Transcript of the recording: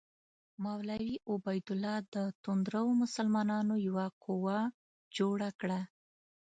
مولوي عبیدالله د توندرو مسلمانانو یوه قوه جوړه کړه.